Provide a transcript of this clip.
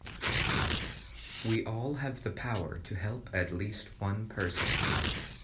We all have the power to help at least one person.